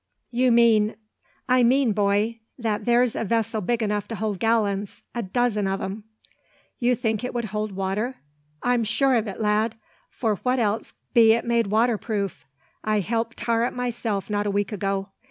"You mean " "I mean, boy, that there's a vessel big enough to hold gallons, a dozen o' 'em." "You think it would hold water?" "I'm sure o't, lad. For what else be it made waterproof? I helped tar it myself not a week ago.